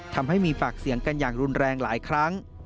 ทำให้มีปากเสียงกันอย่างรุนแรงหลายครั้ง